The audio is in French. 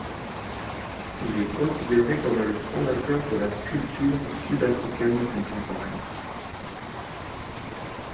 Il est considéré comme le fondateur de la sculpture sud-africaine contemporaine.